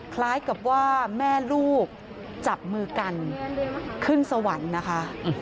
คล้ายกับว่าแม่ลูกจับมือกันขึ้นสวรรค์นะคะ